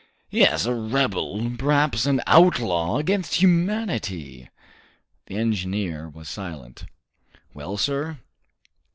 "Yes, a rebel, perhaps an outlaw against humanity!" The engineer was silent. "Well, sir?"